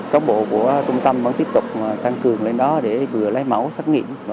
công bộ của công tâm vẫn tiếp tục tăng cường lên đó để vừa lấy máu xác nghiệm